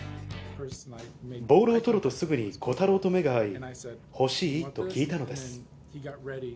ボールを捕るとすぐに虎太郎と目が合い、欲しい？と聞いたのです。